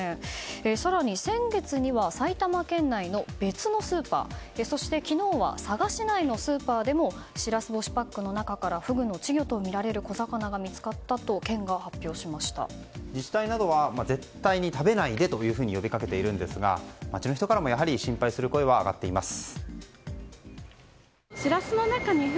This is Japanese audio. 更に先月には埼玉県内の別のスーパーそして昨日は佐賀市内のスーパーでもシラス干しのパックの中からフグの稚魚とみられる小魚が自治体などは絶対に食べないでと呼びかけているんですが街の人からも心配する声が上がっています。